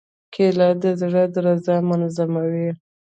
کېله د زړه درزا منظموي.